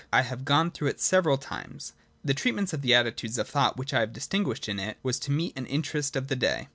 I have gone through it several times. The treatment of the attitudes (of thought) which I have distinguished in it was to meet an interest of the day.